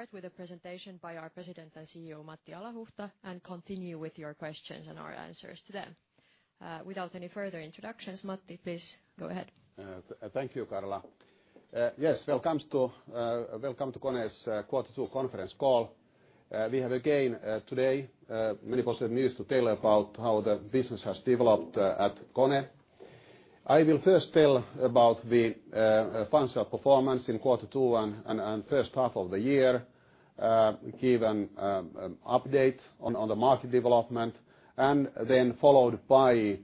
Start with a presentation by our President and CEO, Matti Alahuhta, and continue with your questions and our questions and our answers to them. Without any further introductions, Matti, please go ahead. Thank you, Karla. Yes. Welcome to KONE's Quarter 2 Conference Call. We have again, today, many positive news to tell about how the business has developed at KONE. I will first tell about the financial performance in quarter two and first half of the year, give an update on the market development, then followed by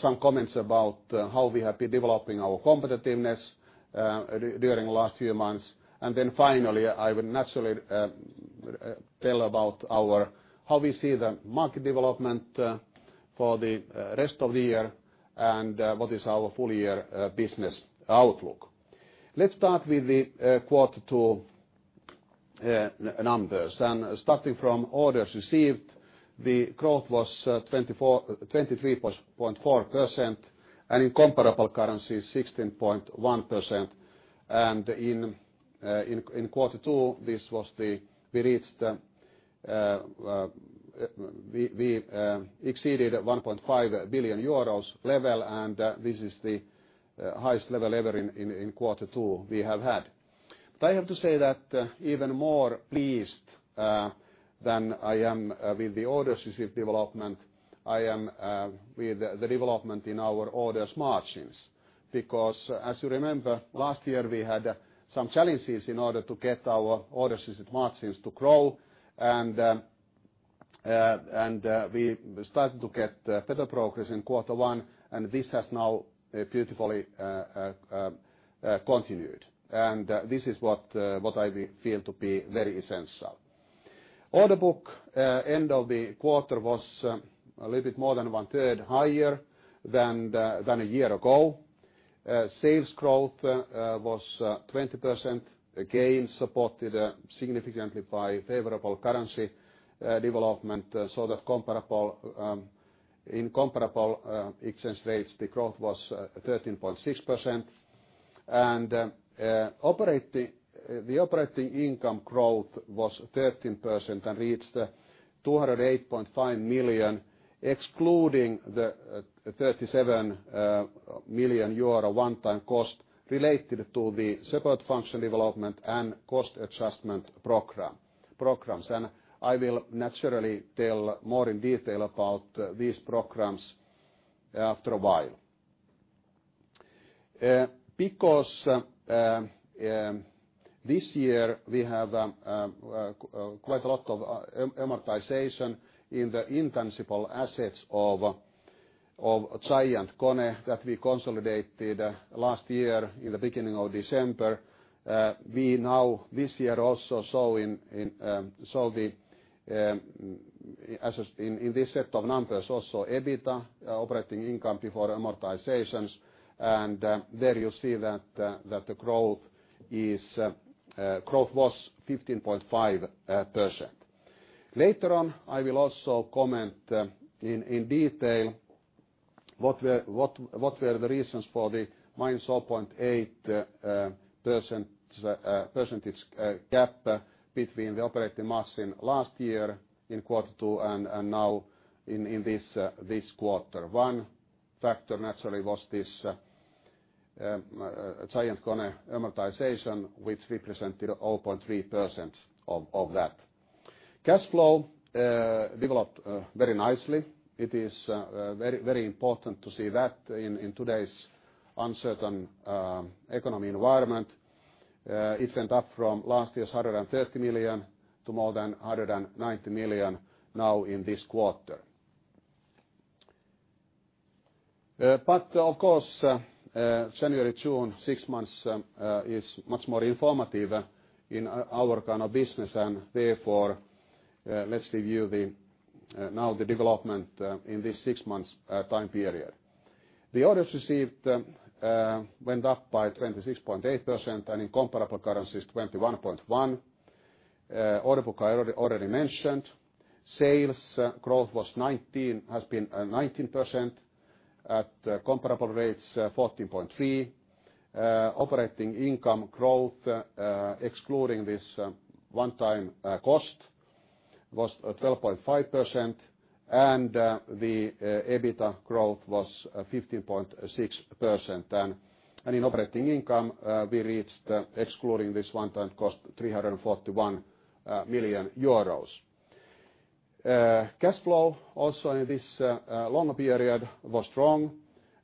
some comments about how we have been developing our competitiveness during the last few months. Finally, I will naturally tell about how we see the market development for the rest of the year and what is our full year business outlook. Let's start with the quarter two numbers. Starting from orders received, the growth was 23.4%, and in comparable currency, 16.1%. In quarter two, we exceeded 1.5 billion euros level, and this is the highest level ever in quarter two we have had. I have to say that even more pleased than I am with the orders received development, I am with the development in our orders margins. Because as you remember, last year, we had some challenges in order to get our orders received margins to grow, and we started to get better progress in quarter one, and this has now beautifully continued. This is what I feel to be very essential. Order book end of the quarter was a little bit more than one-third higher than a year ago. Sales growth was 20%, again, supported significantly by favorable currency development. In comparable exchange rates, the growth was 13.6%. The operating income growth was 13% and reached 208.5 million, excluding the 37 million euro one-time cost related to the support function development and cost adjustment programs. I will naturally tell more in detail about these programs after a while. Because this year we have quite a lot of amortization in the intangible assets of GiantKONE that we consolidated last year in the beginning of December. This year, in this set of numbers, also EBITA, operating income before amortizations. There you see that the growth was 15.5%. Later on, I will also comment in detail what were the reasons for the -0.8 percentage gap between the operating margin last year in quarter two and now in this quarter. One factor naturally was this GiantKONE amortization, which represented 0.3% of that. Cash flow developed very nicely. It is very important to see that in today's uncertain economy environment. It went up from last year's 130 million to more than 190 million now in this quarter. Of course, January, June, six months is much more informative in our kind of business, therefore, let's review now the development in this six-month time period. The orders received went up by 26.8%, in comparable currencies, 21.1%. Order book I already mentioned. Sales growth has been 19%, at comparable rates, 14.3%. Operating income growth, excluding this one-time cost, was 12.5%, the EBITA growth was 15.6%. In operating income, we reached, excluding this one-time cost, 341 million euros. Cash flow also in this long period was strong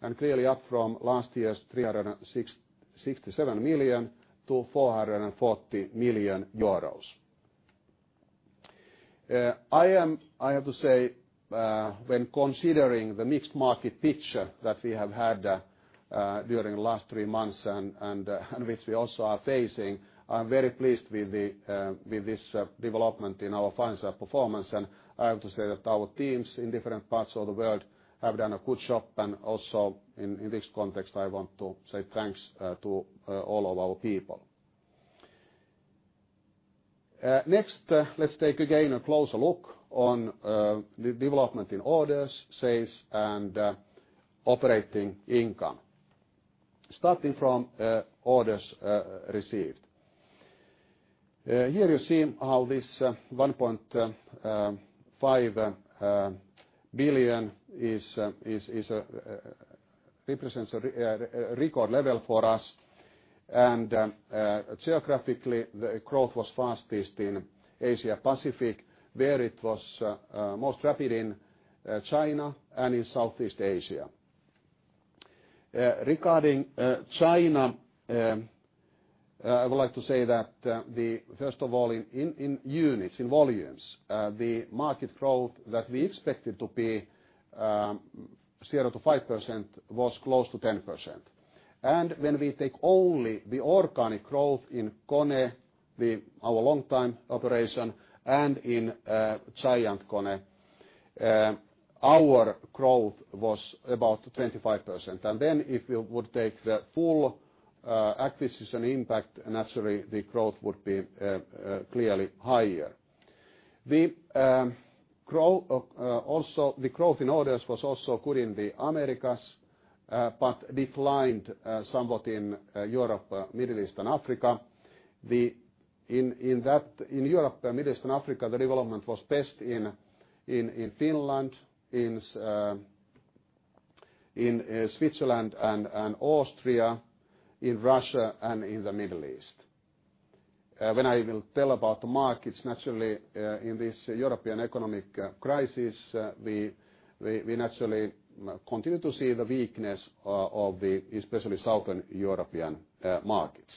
and clearly up from last year's 367 million to 440 million euros. I have to say, when considering the mixed market picture that we have had during the last three months and which we also are facing, I'm very pleased with this development in our financial performance. I have to say that our teams in different parts of the world have done a good job, also in this context, I want to say thanks to all of our people. Next, let's take again a closer look on the development in orders, sales and operating income. Starting from orders received. Here you see how this 1.5 billion represents a record level for us, geographically, the growth was fastest in Asia Pacific, where it was most rapid in China and in Southeast Asia. Regarding China, I would like to say that first of all, in units, in volumes, the market growth that we expected to be 0%-5%, was close to 10%. When we take only the organic growth in KONE, our longtime operation, and in GiantKONE, our growth was about 25%. If we would take the full acquisition impact, naturally, the growth would be clearly higher. The growth in orders was also good in the Americas, declined somewhat in Europe, Middle East, and Africa. In Europe, Middle East, and Africa, the development was best in Finland, in Switzerland, and Austria, in Russia, and in the Middle East. When I will tell about the markets, naturally in this European economic crisis, we naturally continue to see the weakness of especially Southern European markets.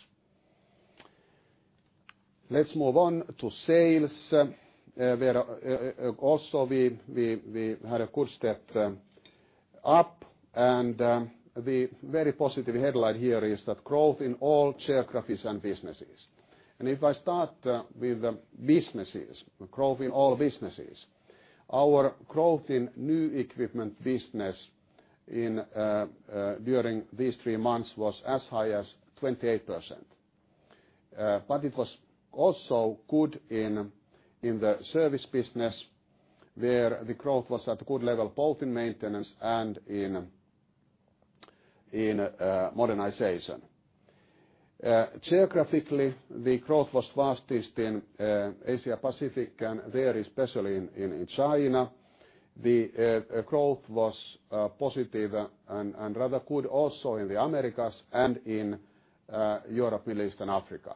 Let's move on to sales, where also we had a good step up, the very positive headline here is that growth in all geographies and businesses. If I start with the businesses, growth in all businesses, our growth in new equipment business during these three months was as high as 28%. It was also good in the service business, where the growth was at a good level, both in maintenance and in modernization. Geographically, the growth was fastest in Asia Pacific, and there especially in China. The growth was positive and rather good also in the Americas and in Europe, Middle East, and Africa.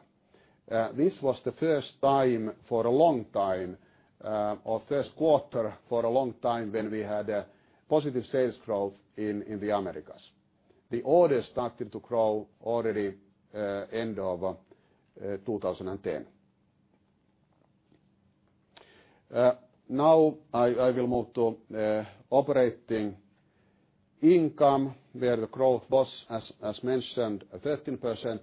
This was the first time for a long time, or first quarter for a long time, when we had a positive sales growth in the Americas. The orders started to grow already end of 2010. Now I will move to operating income, where the growth was, as mentioned, 13%.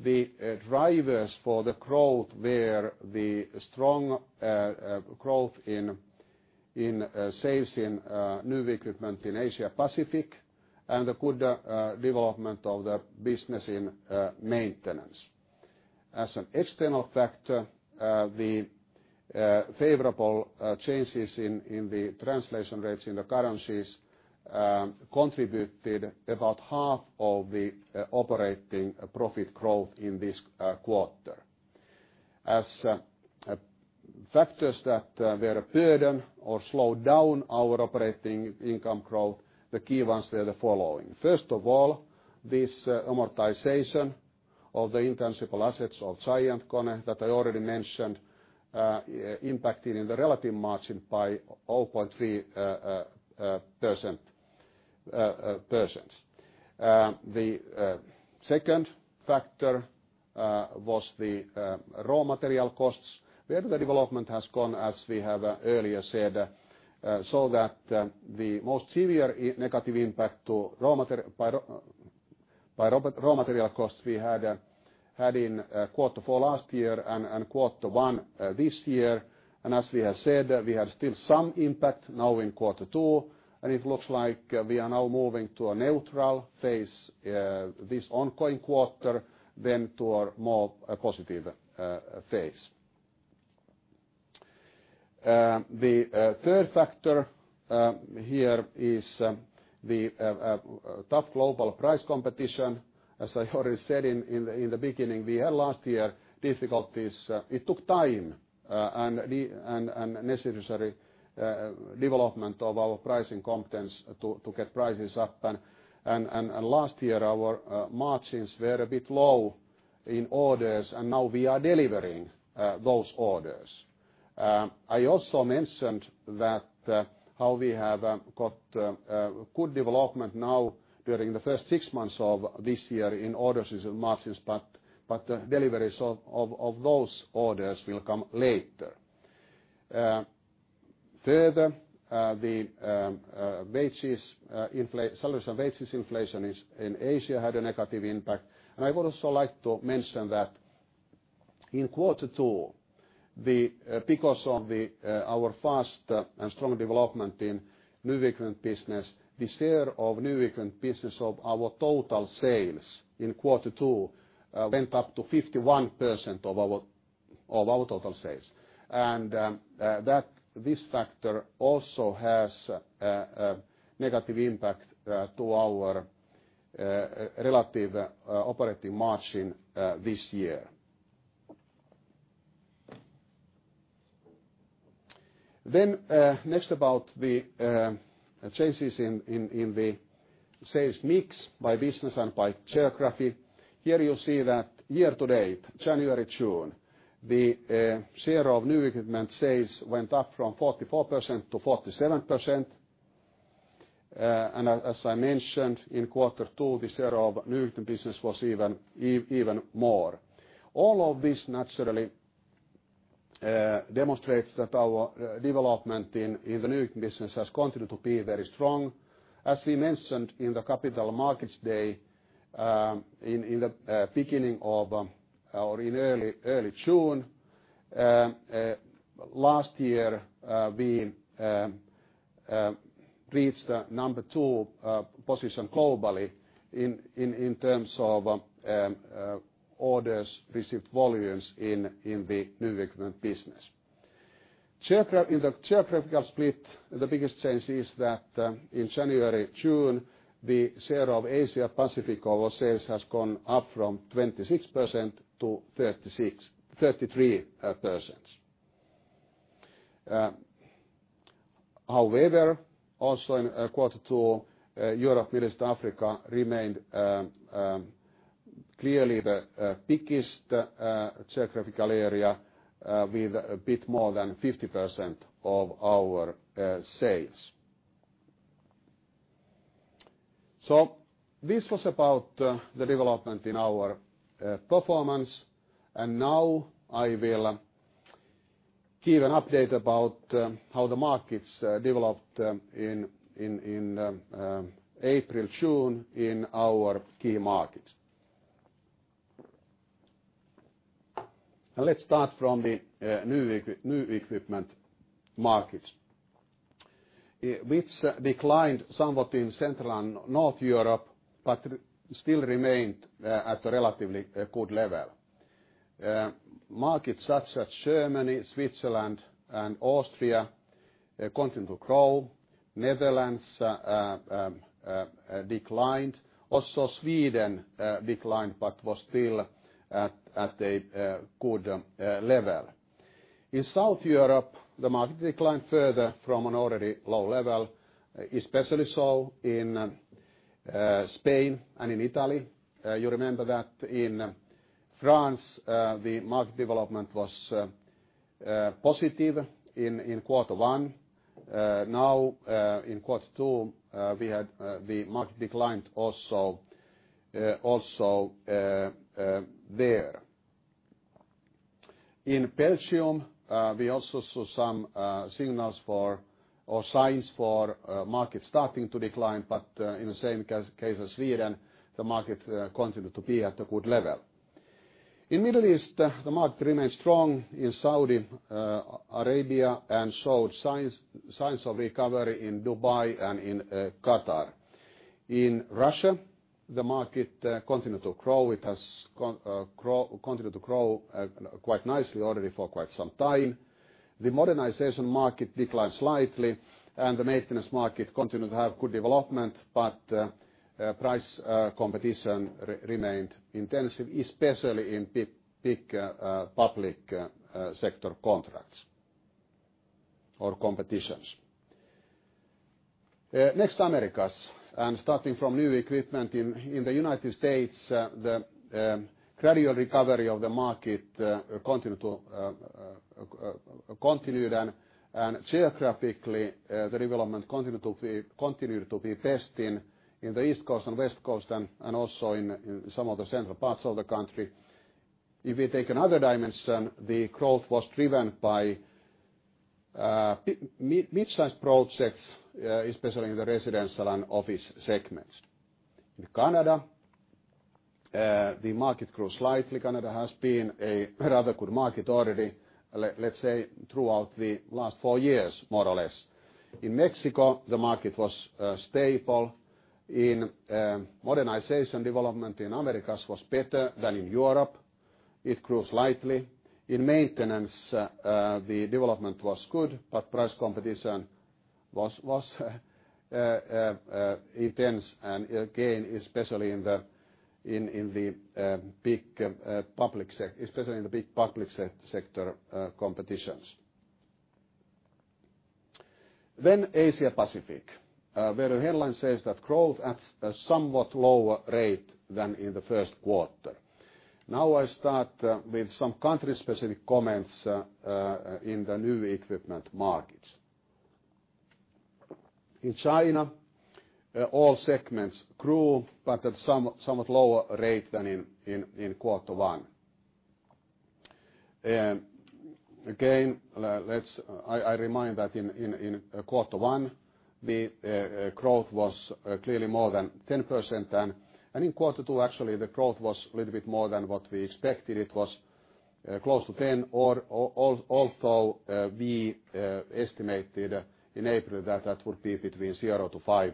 The drivers for the growth were the strong growth in sales in new equipment in Asia Pacific and the good development of the business in maintenance. As an external factor, the favorable changes in the translation rates in the currencies contributed about half of the operating profit growth in this quarter. As factors that were a burden or slowed down our operating income growth, the key ones were the following. First of all, this amortization of the intangible assets of GiantKONE that I already mentioned impacted in the relative margin by 0.3%. The second factor was the raw material costs, where the development has gone, as we have earlier said, so that the most severe negative impact by raw material costs we had in quarter four last year and quarter one this year. As we have said, we have still some impact now in quarter two, and it looks like we are now moving to a neutral phase this ongoing quarter, then to a more positive phase. The third factor here is the tough global price competition. As I already said in the beginning, we had last year difficulties. It took time and necessary development of our pricing competence to get prices up, and last year our margins were a bit low in orders, and now we are delivering those orders. I also mentioned that how we have got good development now during the first six months of this year in orders and margins, but the deliveries of those orders will come later. Further, the solution wages inflation in Asia had a negative impact. I would also like to mention that in quarter two, because of our fast and strong development in new equipment business, the share of new equipment business of our total sales in quarter two went up to 51% of our total sales. This factor also has a negative impact to our relative operating margin this year. Next about the changes in the sales mix by business and by geography. Here you'll see that year to date, January, June, the share of new equipment sales went up from 44% to 47%. As I mentioned, in quarter two, the share of new equipment business was even more. All of this naturally demonstrates that our development in the new equipment business has continued to be very strong. As we mentioned in the Capital Markets Day in early June, last year we reached the number two position globally in terms of orders received volumes in the new equipment business. In the geographical split, the biggest change is that in January, June, the share of Asia Pacific of our sales has gone up from 26% to 33%. However, also in quarter two, Europe, Middle East, Africa remained clearly the biggest geographical area with a bit more than 50% of our sales. This was about the development in our performance, and now I will give an update about how the markets developed in April, June in our key markets. Let's start from the new equipment markets, which declined somewhat in Central and North Europe, but still remained at a relatively good level. Markets such as Germany, Switzerland, and Austria continue to grow. Netherlands declined. Also Sweden declined, but was still at a good level. In South Europe, the market declined further from an already low level, especially so in Spain and in Italy. You remember that in France, the market development was positive in quarter one. Now in quarter two, the market declined also there. In Belgium, we also saw some signs for market starting to decline. In the same case as Sweden, the market continued to be at a good level. In Middle East, the market remained strong in Saudi Arabia and showed signs of recovery in Dubai and in Qatar. In Russia, the market continued to grow. It has continued to grow quite nicely already for quite some time. The modernization market declined slightly, and the maintenance market continued to have good development, but price competition remained intensive, especially in big public sector contracts or competitions. Next, Americas. Starting from new equipment in the U.S., the gradual recovery of the market continued, and geographically, the development continued to be best in the East Coast and West Coast and also in some of the central parts of the country. If we take another dimension, the growth was driven by mid-sized projects, especially in the residential and office segments. In Canada, the market grew slightly. Canada has been a rather good market already, let's say, throughout the last four years, more or less. In Mexico, the market was stable. In modernization development in Americas was better than in Europe. It grew slightly. In maintenance, the development was good, but price competition was intense and again, especially in the big public sector competitions. Asia Pacific, where the headline says that growth at a somewhat lower rate than in the first quarter. Now I start with some country-specific comments in the new equipment markets. In China, all segments grew, but at somewhat lower rate than in quarter one. Again, I remind that in quarter one, the growth was clearly more than 10%, and in quarter two, actually, the growth was a little bit more than what we expected. It was close to 10%, although we estimated in April that that would be between 0%-5%.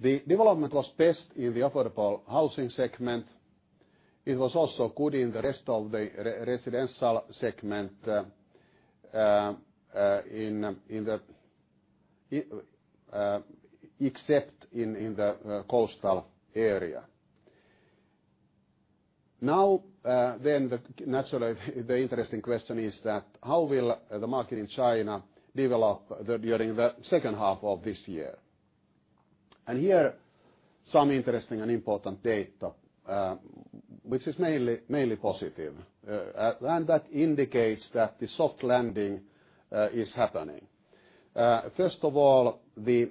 The development was best in the affordable housing segment. It was also good in the rest of the residential segment, except in the coastal area. Naturally, the interesting question is: how will the market in China develop during the second half of this year? Here, some interesting and important data, which is mainly positive and that indicates that the soft landing is happening. First of all, the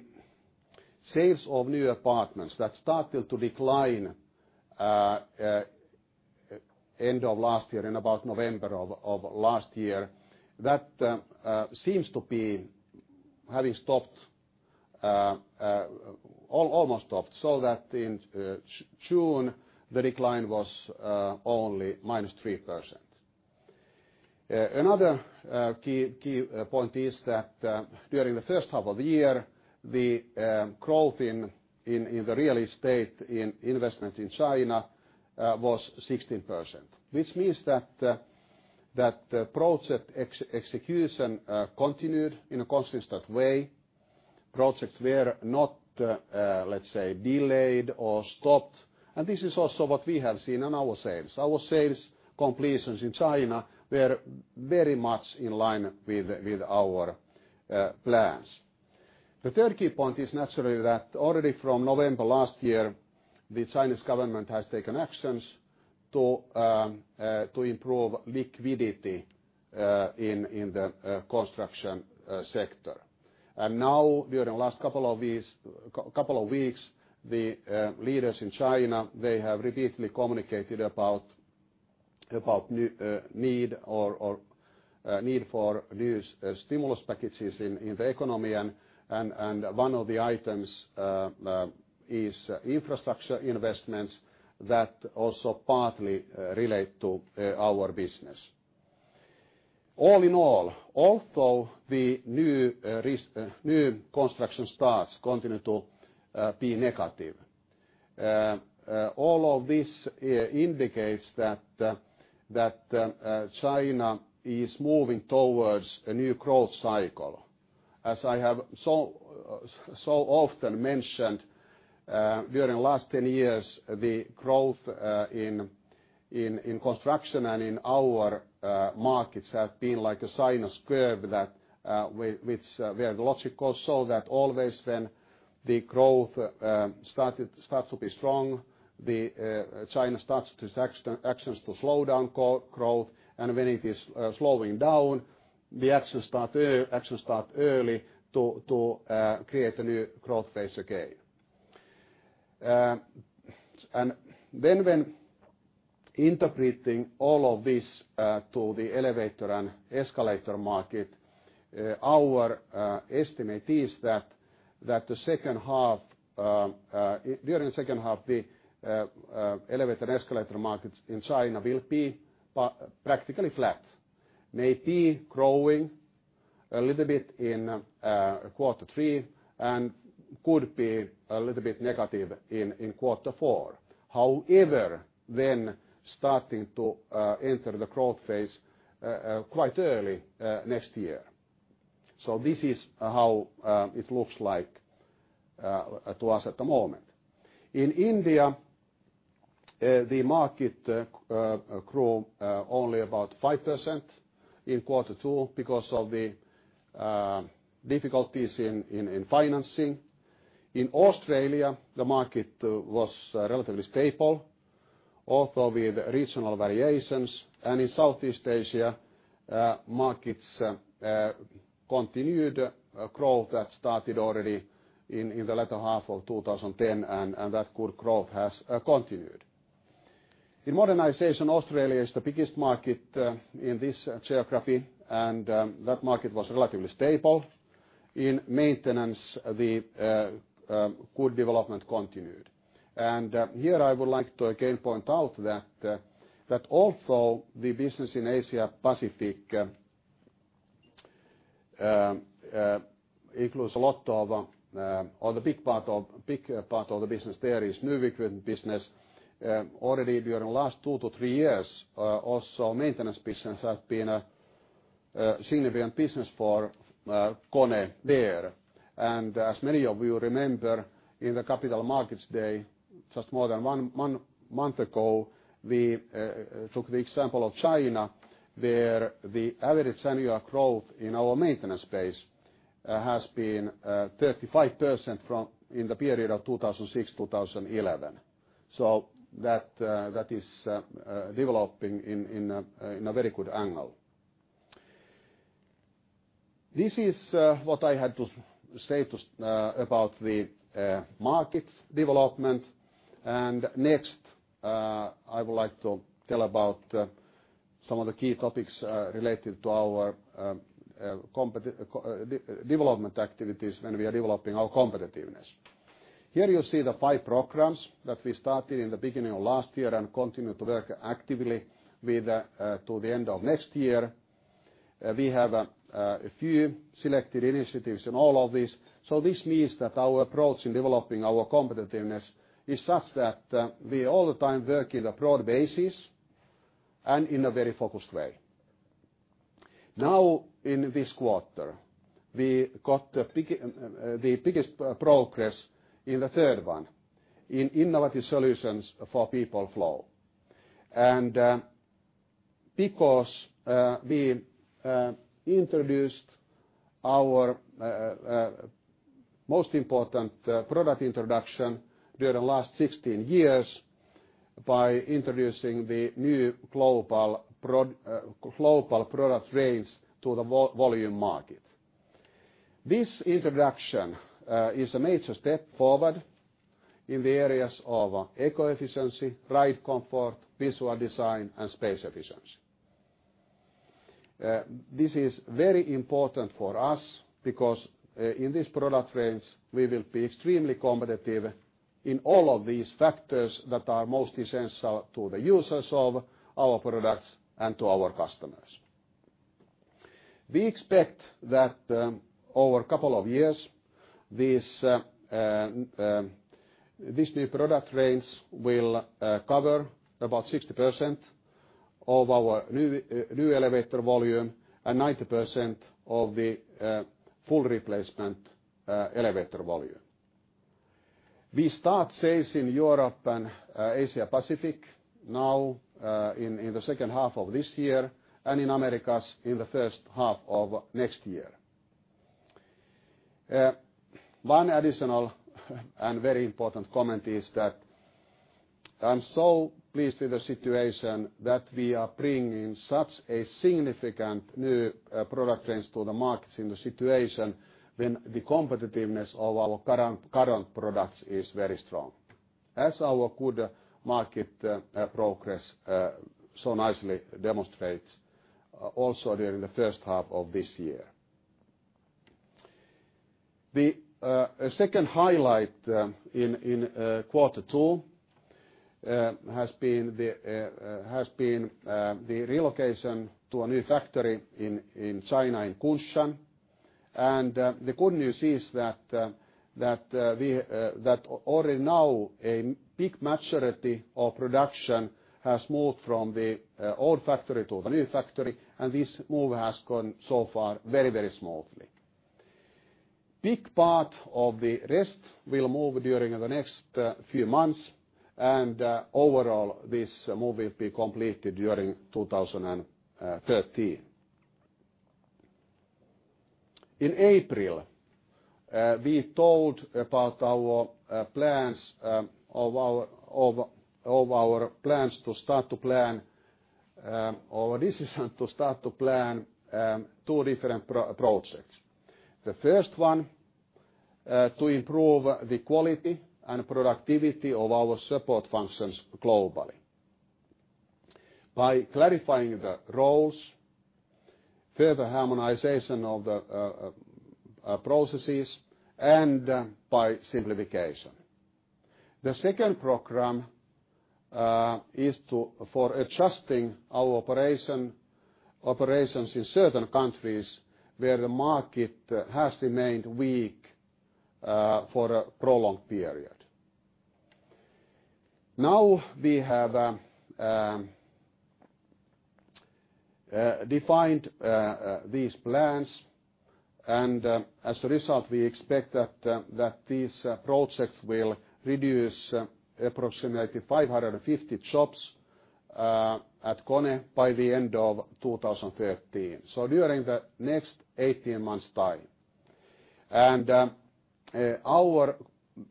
sales of new apartments that started to decline end of last year, in about November of last year, that seems to have almost stopped, so that in June the decline was only -3%. Another key point is that during the first half of the year, the growth in the real estate investment in China was 16%, which means that the project execution continued in a consistent way. Projects were not, let's say, delayed or stopped, and this is also what we have seen in our sales. Our sales completions in China were very much in line with our plans. The third key point is naturally that already from November last year, the Chinese government has taken actions to improve liquidity in the construction sector. Now during the last couple of weeks, the leaders in China have repeatedly communicated about need for new stimulus packages in the economy, one of the items is infrastructure investments that also partly relate to our business. All in all, although the new construction starts continue to be negative, all of this indicates that China is moving towards a new growth cycle. As I have so often mentioned, during the last 10 years, the growth in construction and in our markets has been like a sinus curve where the logic goes so that always when the growth starts to be strong, China starts to take actions to slow down growth. When it is slowing down, the actions start early to create a new growth phase again. When interpreting all of this to the elevator and escalator market, our estimate is that during the second half, the elevator and escalator markets in China will be practically flat, may be growing a little bit in quarter three, and could be a little bit negative in quarter four. However, starting to enter the growth phase quite early next year. This is how it looks like to us at the moment. In India, the market grew only about 5% in quarter two because of the difficulties in financing. In Australia, the market was relatively stable, although with regional variations. In Southeast Asia, markets continued growth that started already in the latter half of 2010, and that good growth has continued. In modernization, Australia is the biggest market in this geography, and that market was relatively stable. In maintenance, the good development continued. Here I would like to again point out that although the business in Asia Pacific includes a big part of the business there is new equipment business. Already during the last two to three years, also maintenance business has been a significant business for KONE there. As many of you remember, in the Capital Markets Day, just more than one month ago, we took the example of China, where the average annual growth in our maintenance base has been 35% in the period of 2006 to 2011. That is developing in a very good angle. This is what I had to say about the market development. Next, I would like to tell about some of the key topics related to our development activities when we are developing our competitiveness. Here you see the five programs that we started in the beginning of last year and continue to work actively with to the end of next year. We have a few selected initiatives in all of these. This means that our approach in developing our competitiveness is such that we all the time work in a broad basis and in a very focused way. Now in this quarter, we got the biggest progress in the third one, in innovative solutions for people flow. Because we introduced our most important product introduction during the last 16 years by introducing the new global product range to the volume market. This introduction is a major step forward in the areas of eco-efficiency, ride comfort, visual design, and space efficiency. This is very important for us because in this product range, we will be extremely competitive in all of these factors that are most essential to the users of our products and to our customers. We expect that over a couple of years, this new product range will cover about 60% of our new elevator volume and 90% of the full replacement elevator volume. We start sales in Europe and Asia Pacific now in the second half of this year and in Americas in the first half of next year. One additional and very important comment is that I'm so pleased with the situation that we are bringing such a significant new product range to the markets in the situation when the competitiveness of our current products is very strong, as our good market progress so nicely demonstrates also during the first half of this year. The second highlight in quarter two has been the relocation to a new factory in China in Kunshan. The good news is that already now a big majority of production has moved from the old factory to the new factory, and this move has gone so far very smoothly. Big part of the rest will move during the next few months, overall, this move will be completed during 2013. In April, we told about our decision to start to plan two different projects. The first one to improve the quality and productivity of our support functions globally by clarifying the roles, further harmonization of the processes, and by simplification. The second program is for adjusting our operations in certain countries where the market has remained weak for a prolonged period. We have defined these plans, and as a result, we expect that these projects will reduce approximately 550 jobs at KONE by the end of 2013. During the next 18 months' time. Our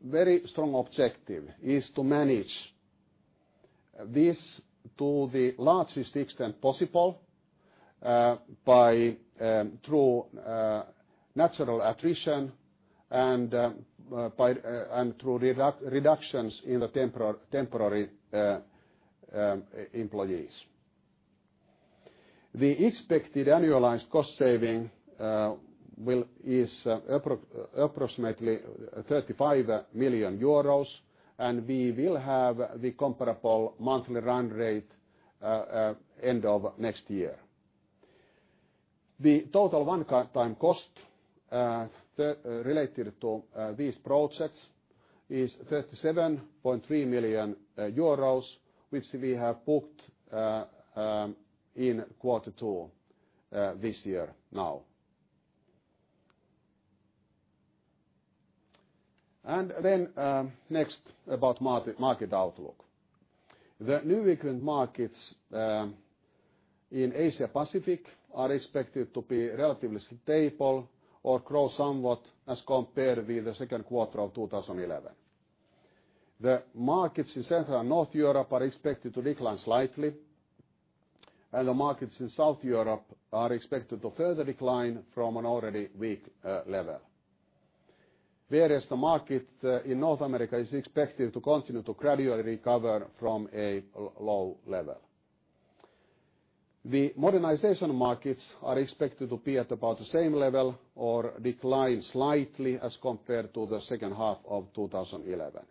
very strong objective is to manage this to the largest extent possible through natural attrition and through reductions in the temporary employees. The expected annualized cost saving is approximately 35 million euros, and we will have the comparable monthly run rate end of next year. The total one-time cost related to these projects is 37.3 million euros, which we have booked in quarter two this year now. Next about market outlook. The new equipment markets in Asia Pacific are expected to be relatively stable or grow somewhat as compared with the second quarter of 2011. The markets in Central and North Europe are expected to decline slightly, and the markets in South Europe are expected to further decline from an already weak level. The market in North America is expected to continue to gradually recover from a low level. The modernization markets are expected to be at about the same level or decline slightly as compared to the second half of 2011.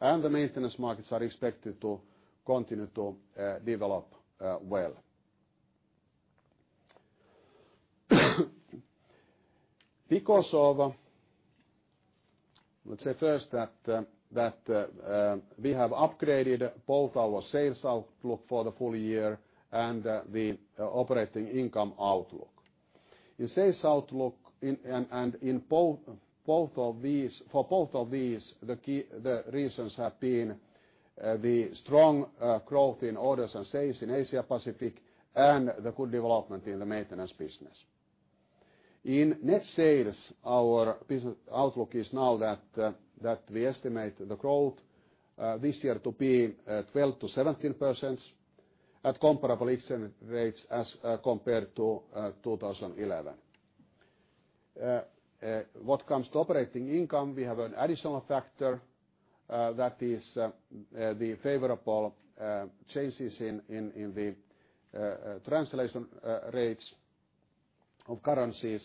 The maintenance markets are expected to continue to develop well. Let's say first that we have upgraded both our sales outlook for the full year and the operating income outlook. In sales outlook for both of these, the reasons have been the strong growth in orders and sales in Asia Pacific and the good development in the maintenance business. In net sales, our business outlook is now that we estimate the growth this year to be 12%-17% at comparable exchange rates as compared to 2011. What comes to operating income, we have an additional factor that is the favorable changes in the translation rates of currencies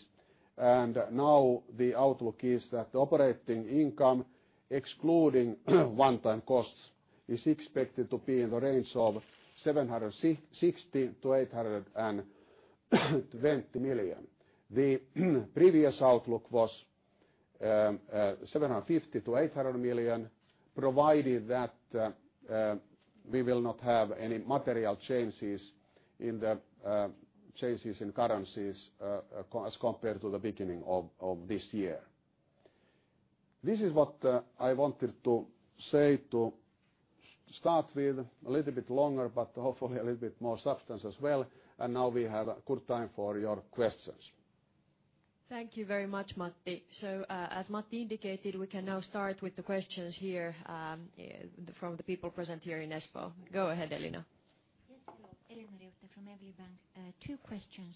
and now the outlook is that the operating income, excluding one-time costs, is expected to be in the range of 760 million-820 million. The previous outlook was 750 million-800 million, provided that we will not have any material changes in currencies as compared to the beginning of this year. This is what I wanted to say to start with a little bit longer, but hopefully a little bit more substance as well. Now we have good time for your questions. Thank you very much, Matti. As Matti indicated, we can now start with the questions here from the people present here in Espoo. Go ahead, Elina. Yes. Elina Riutta from Evli Bank. Two questions.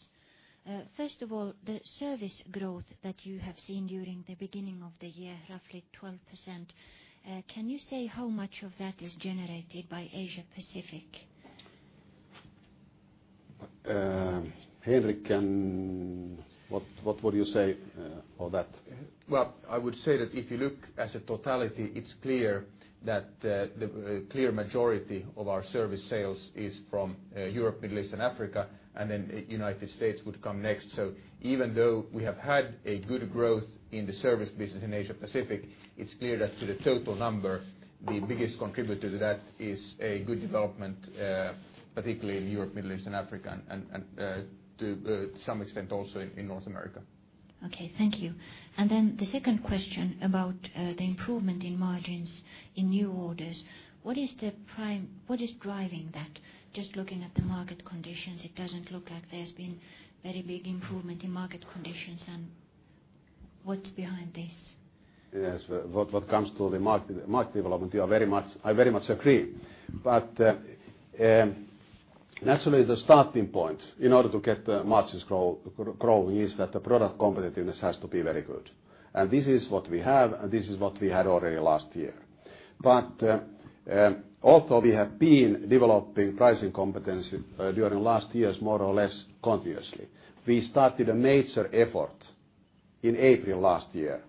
First of all, the service growth that you have seen during the beginning of the year, roughly 12%, can you say how much of that is generated by Asia Pacific? Henrik, what would you say on that? I would say that if you look as a totality, it's clear that the clear majority of our service sales is from Europe, Middle East, and Africa, then U.S. would come next. Even though we have had a good growth in the service business in Asia Pacific, it's clear that to the total number, the biggest contributor to that is a good development, particularly in Europe, Middle East, and Africa, and to some extent also in North America. Okay, thank you. The second question about the improvement in margins in new orders, what is driving that? Just looking at the market conditions, it doesn't look like there's been very big improvement in market conditions and what's behind this? Yes. What comes to the market development, I very much agree. Naturally, the starting point in order to get the margins growing is that the product competitiveness has to be very good. This is what we have, and this is what we had already last year. Although we have been developing pricing competency during last years, more or less continuously. We started a major effort in April last year,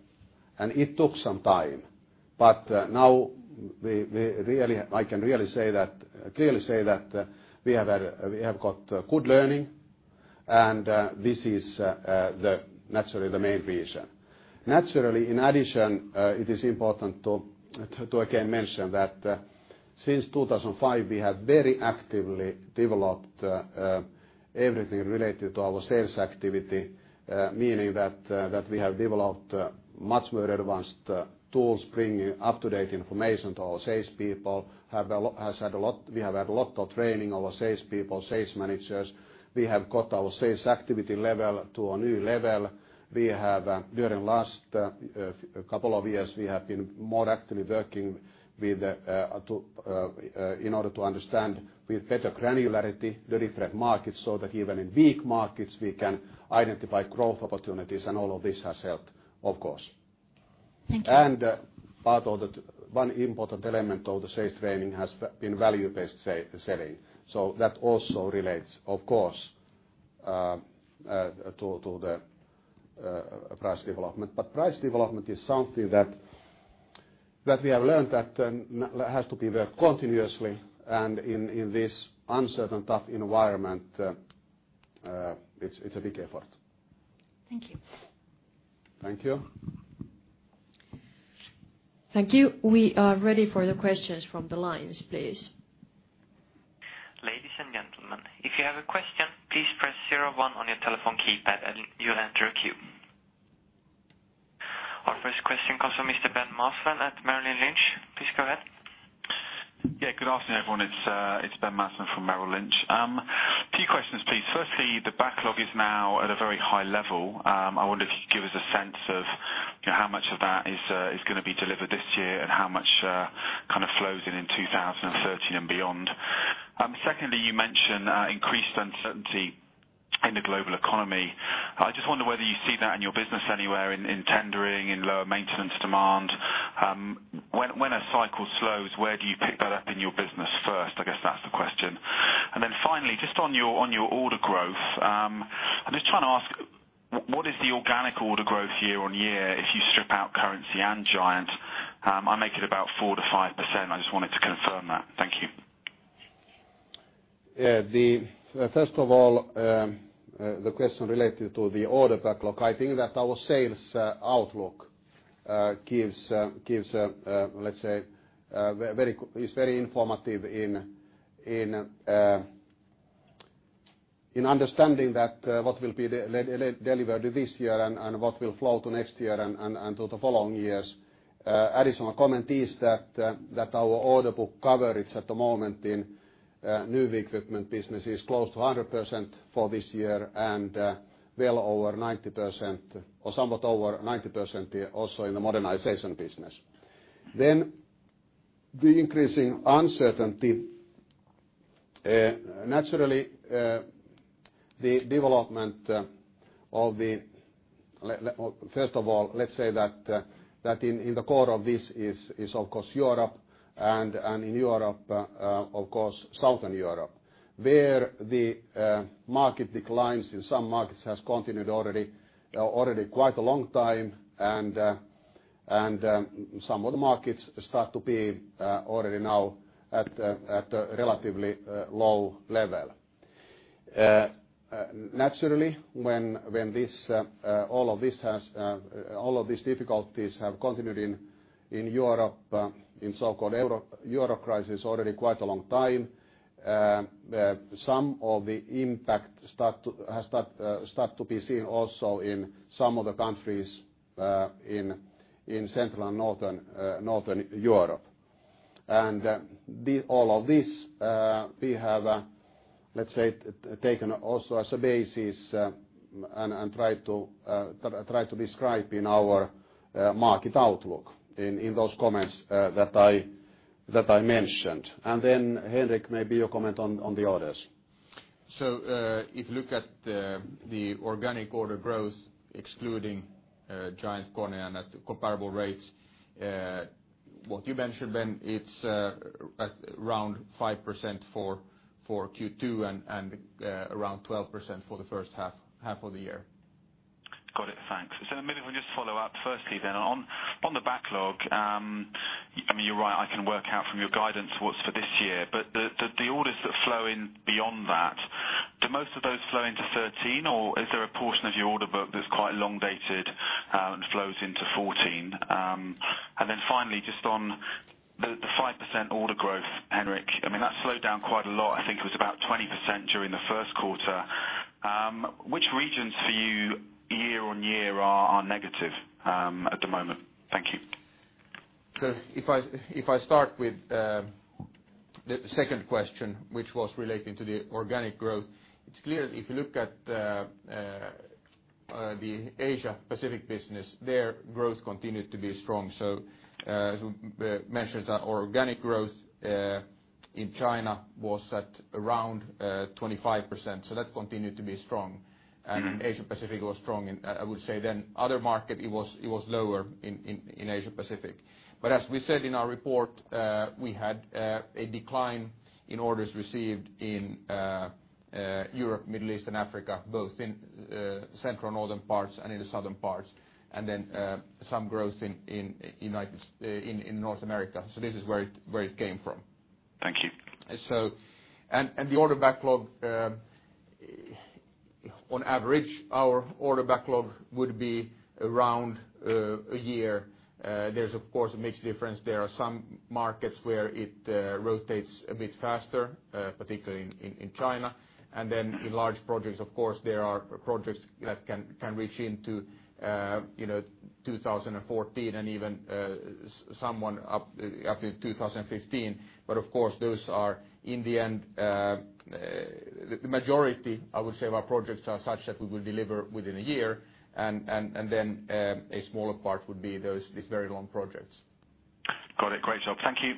and it took some time, but now I can clearly say that we have got good learning and this is naturally the main reason. Naturally, in addition, it is important to again mention that since 2005, we have very actively developed everything related to our sales activity, meaning that we have developed much more advanced tools bringing up-to-date information to our salespeople. We have had a lot of training, our salespeople, sales managers. We have got our sales activity level to a new level. During last couple of years, we have been more actively working in order to understand with better granularity the different markets, so that even in weak markets, we can identify growth opportunities and all of this has helped, of course. Thank you. Part of the one important element of the sales training has been value-based selling. That also relates, of course, to the price development. Price development is something that we have learned that has to be worked continuously and in this uncertain, tough environment, it's a big effort. Thank you. Thank you. Thank you. We are ready for the questions from the lines, please. Ladies and gentlemen, if you have a question, please press zero one on your telephone keypad and you'll enter a queue. Our first question comes from Mr. Ben Maslen at Merrill Lynch. Please go ahead. Yeah, good afternoon, everyone. It's Ben Maslen from Merrill Lynch. Few questions, please. Firstly, the backlog is now at a very high level. I wonder if you could give us a sense of how much of that is going to be delivered this year and how much kind of flows in 2013 and beyond. Secondly, you mentioned increased uncertainty in the global economy. I just wonder whether you see that in your business anywhere in tendering, in lower maintenance demand. When a cycle slows, where do you pick that up in your business first, I guess that's the question. Finally, just on your order Both year-on-year, if you strip out currency and Giant, I make it about 4%-5%. I just wanted to confirm that. Thank you. Yeah. First of all, the question related to the order backlog. I think that our sales outlook is very informative in understanding what will be delivered this year and what will flow to next year and to the following years. Additional comment is that our order book coverage at the moment in new equipment business is close to 100% for this year and well over 90%, or somewhat over 90% also in the modernization business. The increasing uncertainty, naturally the development of the First of all, let's say that in the core of this is, of course, Europe and in Europe, of course, Southern Europe, where the market declines in some markets has continued already quite a long time and some other markets start to be already now at a relatively low level. Naturally, when all of these difficulties have continued in Europe, in so-called Euro crisis already quite a long time, some of the impact start to be seen also in some of the countries in Central and Northern Europe. All of this we have, let's say, taken also as a basis and try to describe in our market outlook in those comments that I mentioned. Henrik, maybe your comment on the others. If you look at the organic order growth excluding GiantKONE and at comparable rates, what you mentioned, Ben, it's around 5% for Q2 and around 12% for the first half of the year. Got it. Thanks. Maybe if we just follow up firstly then on the backlog. I mean, you're right, I can work out from your guidance what's for this year, but the orders that flow in beyond that, do most of those flow into 2013 or is there a portion of your order book that's quite long dated and flows into 2014? Finally, just on the 5% order growth, Henrik, I mean, that slowed down quite a lot. I think it was about 20% during the first quarter. Which regions for you year-on-year are negative at the moment? Thank you. If I start with the second question, which was relating to the organic growth, it's clear if you look at the Asia Pacific business, their growth continued to be strong. As we mentioned, our organic growth in China was at around 25%. That continued to be strong and Asia Pacific was strong. I would say then other market it was lower in Asia Pacific. As we said in our report, we had a decline in orders received in Europe, Middle East, and Africa, both in central northern parts and in the southern parts. Some growth in North America. This is where it came from. Thank you. The order backlog, on average, our order backlog would be around a year. There is of course a mixed difference. There are some markets where it rotates a bit faster, particularly in China. Then in large projects, of course, there are projects that can reach into 2014 and even someone up in 2015. Of course those are in the end, the majority, I would say, of our projects are such that we will deliver within a year and then a smaller part would be these very long projects. Got it. Great job. Thank you.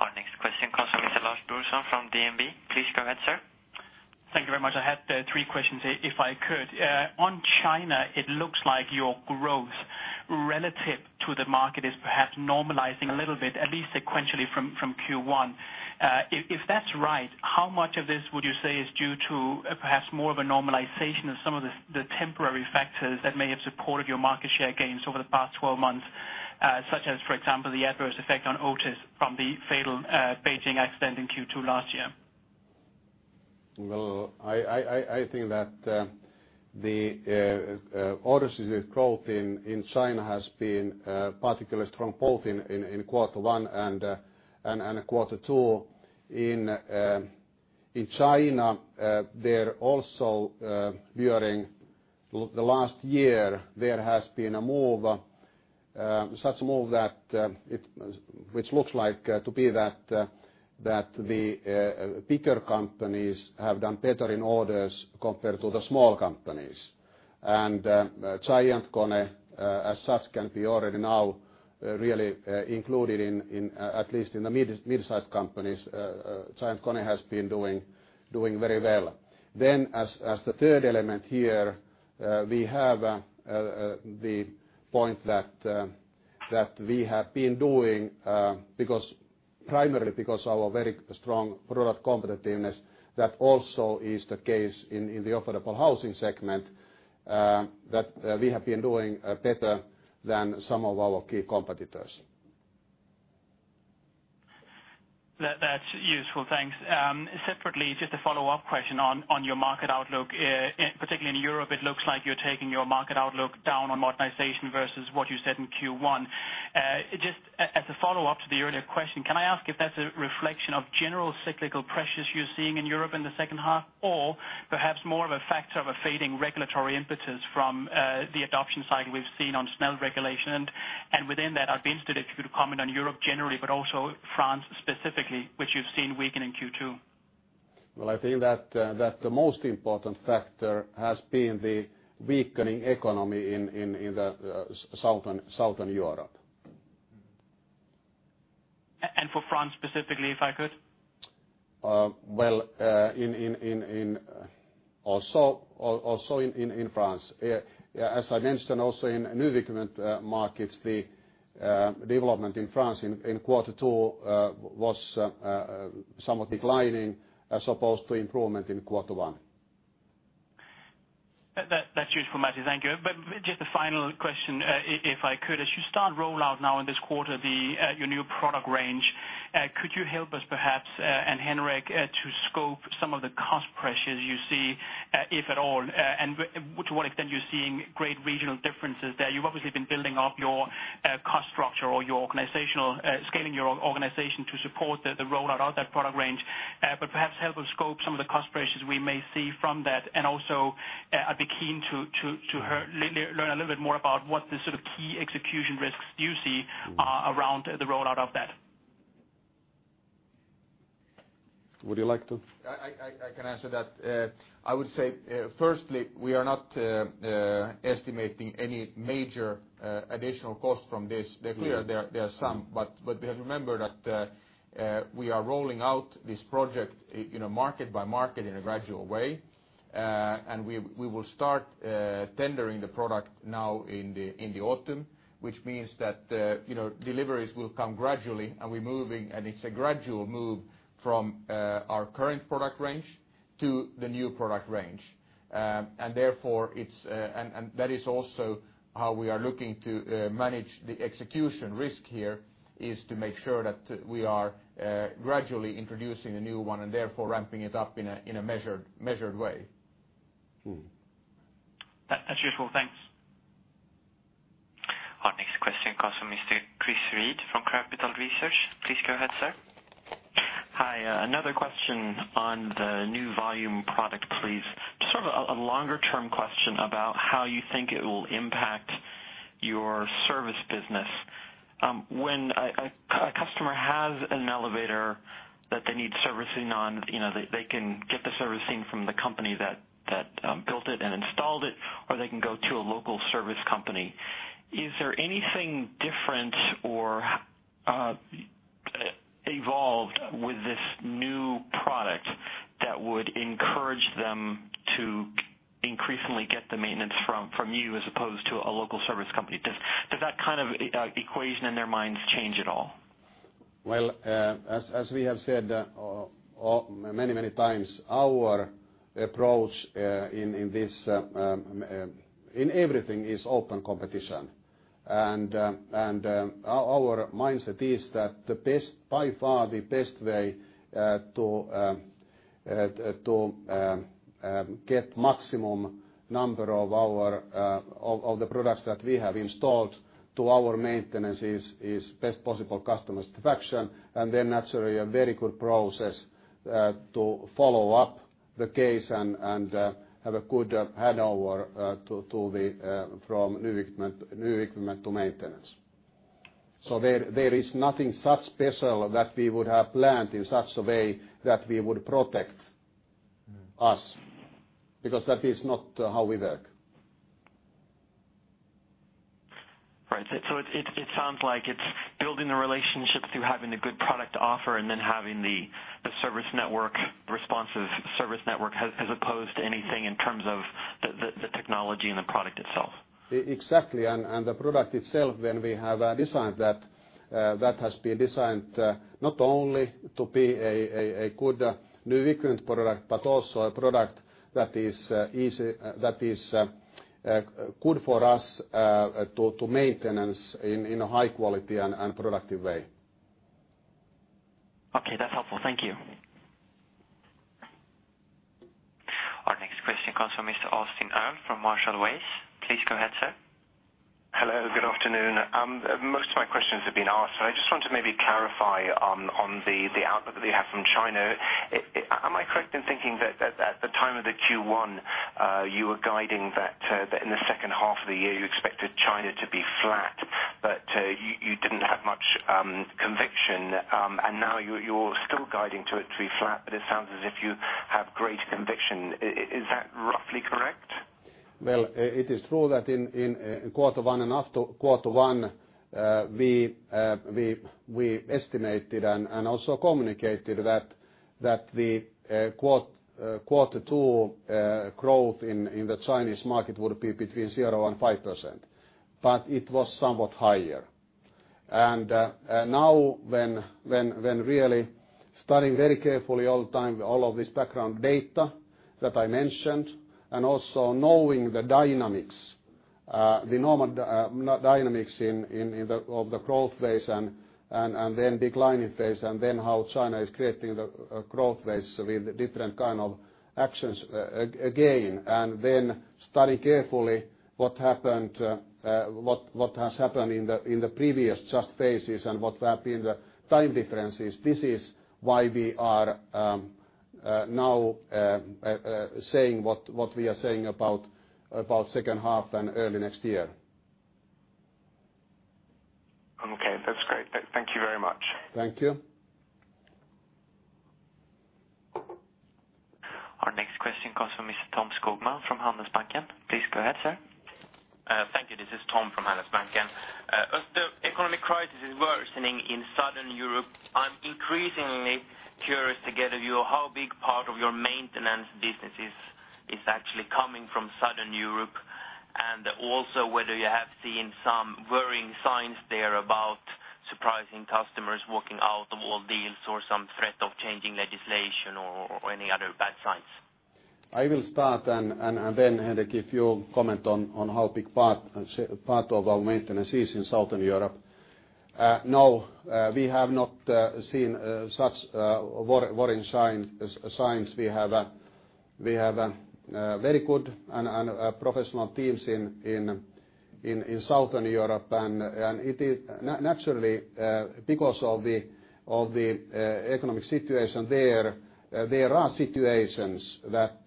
Our next question comes from Lars Brorson from DNB. Please go ahead, sir. Thank you very much. I had three questions, if I could. On China, it looks like your growth relative to the market is perhaps normalizing a little bit, at least sequentially from Q1. If that's right, how much of this would you say is due to perhaps more of a normalization of some of the temporary factors that may have supported your market share gains over the past 12 months, such as, for example, the adverse effect on Otis from the fatal Beijing accident in Q2 last year? Well, I think that the orders growth in China has been particularly strong both in quarter one and quarter two. In China, there also during the last year, there has been such move which looks like to be that the bigger companies have done better in orders compared to the small companies. GiantKONE as such can be already now really included at least in the mid-sized companies. GiantKONE has been doing very well. As the third element here, we have the point that we have been doing Primarily because our very strong product competitiveness, that also is the case in the affordable housing segment that we have been doing better than some of our key competitors. That's useful. Thanks. Separately, just a follow-up question on your market outlook. Particularly in Europe, it looks like you're taking your market outlook down on modernization versus what you said in Q1. Just as a follow-up to the earlier question, can I ask if that's a reflection of general cyclical pressures you're seeing in Europe in the second half, or perhaps more of a factor of a fading regulatory impetus from the adoption cycle we've seen on EN 81? Within that, I'd be interested if you could comment on Europe generally, but also France specifically, which you've seen weaken in Q2. Well, I think that the most important factor has been the weakening economy in the Southern Europe. For France specifically, if I could? Also in France. As I mentioned also in new equipment markets, the development in France in quarter two was somewhat declining as opposed to improvement in quarter one. That's useful, Matti, thank you. Just a final question, if I could. As you start rollout now in this quarter, your new product range, could you help us perhaps, and Henrik, to scope some of the cost pressures you see, if at all, and to what extent you're seeing great regional differences there? You've obviously been building up your cost structure or scaling your organization to support the rollout of that product range. Perhaps help us scope some of the cost pressures we may see from that. Also, I'd be keen to learn a little bit more about what the sort of key execution risks you see around the rollout of that. Would you like to? I can answer that. I would say, firstly, we are not estimating any major additional cost from this. It's clear there are some, but remember that we are rolling out this project market by market in a gradual way. We will start tendering the product now in the autumn, which means that deliveries will come gradually and it's a gradual move from our current product range to the new product range. That is also how we are looking to manage the execution risk here, is to make sure that we are gradually introducing a new one and therefore ramping it up in a measured way. That's useful. Thanks. Our next question comes from Mr. Chris Reed from Capital Research. Please go ahead, sir. Hi. Another question on the new volume product, please. Sort of a longer term question about how you think it will impact your service business. When a customer has an elevator that they need servicing on, they can get the servicing from the company that built it and installed it, or they can go to a local service company. Is there anything different or evolved with this new product that would encourage them to increasingly get the maintenance from you as opposed to a local service company? Does that kind of equation in their minds change at all? Well, as we have said many times, our approach in everything is open competition. Our mindset is that by far the best way to get maximum number of the products that we have installed to our maintenance is best possible customer satisfaction, and then naturally a very good process to follow up the case and have a good handover from new equipment to maintenance. There is nothing so special that we would have planned in such a way that we would protect us, because that is not how we work. Right. It sounds like it's building the relationships through having a good product offer and then having the responsive service network as opposed to anything in terms of the technology and the product itself. Exactly. The product itself, when we have designed that has been designed not only to be a good new equipment product, but also a product that is good for us to maintenance in a high quality and productive way. Okay, that's helpful. Thank you. Our next question comes from Mr. [Austin Erm] from Marshall Wace. Please go ahead, sir. Hello, good afternoon. Most of my questions have been asked. I just want to maybe clarify on the outlook that you have from China. Am I correct in thinking that at the time of the Q1, you were guiding that in the second half of the year you expected China to be flat, but you didn't have much conviction. Now you're still guiding to it to be flat, but it sounds as if you have great conviction. Is that roughly correct? Well, it is true that in quarter one and after quarter one, we estimated and also communicated that the quarter two growth in the Chinese market would be between 0% and 5%. It was somewhat higher. Now when really studying very carefully all the time, all of this background data that I mentioned, and also knowing the normal dynamics of the growth phase and then declining phase, and then how China is creating the growth phase with different kind of actions again, and then study carefully what has happened in the previous growth phases and what have been the time differences. This is why we are now saying what we are saying about second half and early next year. Okay, that's great. Thank you very much. Thank you. Our next question comes from Mr. Tom Skogman from Handelsbanken. Please go ahead, sir. Thank you. This is Tom from Handelsbanken. As the economic crisis is worsening in Southern Europe, I'm increasingly curious to get a view of how big part of your maintenance business is actually coming from Southern Europe, and also whether you have seen some worrying signs there about surprising customers walking out of all deals or some threat of changing legislation or any other bad signs. I will start and then, Henrik, if you comment on how big part of our maintenance is in Southern Europe. No, we have not seen such worrying signs. We have very good and professional teams in Southern Europe. Naturally, because of the economic situation there are situations that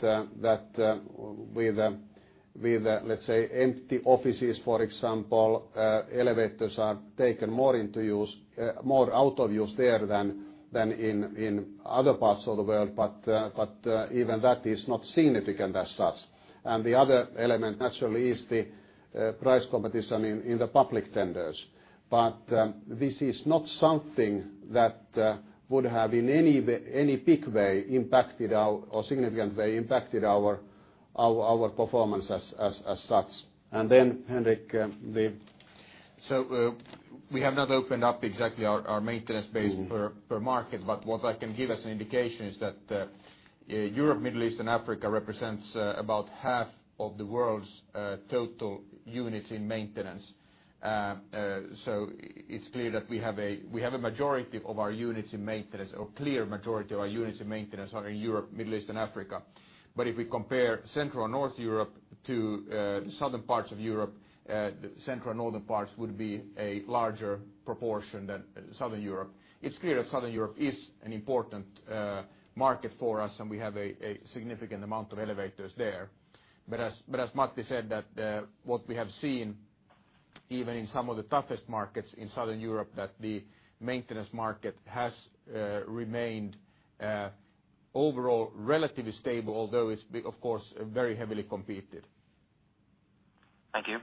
with, let's say, empty offices, for example, elevators are taken more out of use there than in other parts of the world. Even that is not significant as such. The other element naturally is the price competition in the public tenders. This is not something that would have, in any significant way, impacted our performance as such. Then, Henrik, We have not opened up exactly our maintenance base per market. What I can give as an indication is that Europe, Middle East, and Africa represents about half of the world's total units in maintenance. It's clear that we have a clear majority of our units in maintenance are in Europe, Middle East, and Africa. If we compare Central and North Europe to the Southern parts of Europe, the Central and Northern parts would be a larger proportion than Southern Europe. It's clear that Southern Europe is an important market for us, and we have a significant amount of elevators there. As Matti said, that what we have seen, even in some of the toughest markets in Southern Europe, that the maintenance market has remained overall relatively stable, although it's, of course, very heavily competed. Thank you.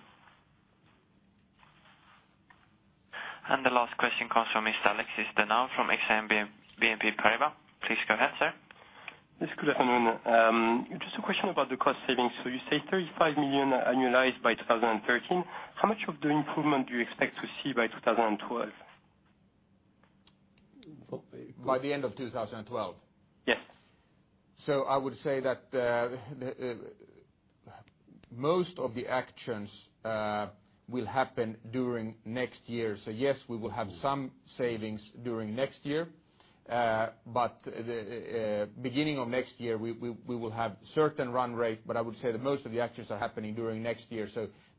The last question comes from Mr. Alexis Denaud from Exane BNP Paribas. Please go ahead, sir. Yes, good afternoon. Just a question about the cost savings. You say 35 million annualized by 2013. How much of the improvement do you expect to see by 2012? By the end of 2012? Yes. I would say that most of the actions will happen during next year. Yes, we will have some savings during next year. Beginning of next year, we will have certain run rate, but I would say that most of the actions are happening during next year.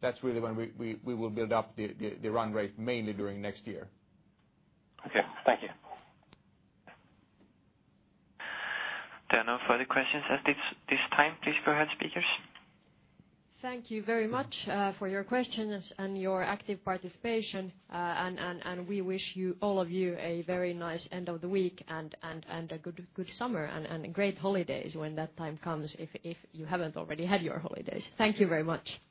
That's really when we will build up the run rate mainly during next year. Okay. Thank you. There are no further questions at this time. Please go ahead, speakers. Thank you very much for your questions and your active participation. We wish all of you a very nice end of the week and a good summer and great holidays when that time comes, if you haven't already had your holidays. Thank you very much.